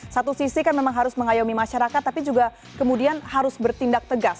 satu sisi kan memang harus mengayomi masyarakat tapi juga kemudian harus bertindak tegas